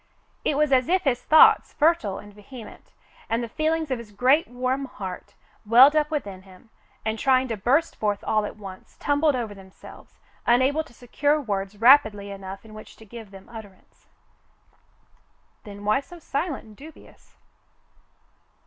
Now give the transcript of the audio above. It was as if his thoughts, fertile and vehement, and the feelings of his great, warm heart welled up within him, and, trying to burst forth all at once, tumbled over themselves, unable to secure words rapidly enough in which to give themselves utterance. "Then why so silent and dubious.